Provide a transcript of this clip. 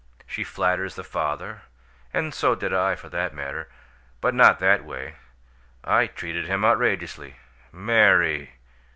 She flatters the father, and so did I, for that matter but not that way. I treated him outrageously!" "Mary!"